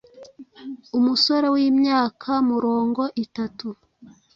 Umusore w’ imyaka murongo itatu